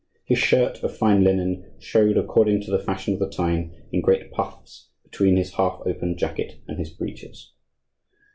His shirt, of fine linen, showed, according to the fashion of the time, in great puffs between his half opened jacket and his breeches.